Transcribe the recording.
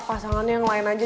pasangannya yang lain aja